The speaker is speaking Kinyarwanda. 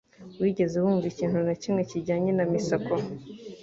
Wigeze wumva ikintu na kimwe kijyanye na Misako